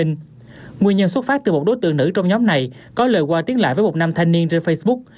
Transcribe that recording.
nguyên nhân xuất phát từ một đối tượng nữ trong nhóm này có lời qua tiếng lại với một nam thanh niên trên facebook